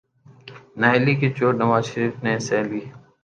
نااہلی کی چوٹ نواز شریف نے سہہ لی۔